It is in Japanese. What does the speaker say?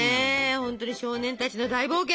ほんとに少年たちの大冒険。